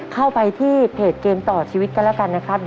เข้าไปที่เพจเกมต่อชีวิตกันแล้วกันนะครับ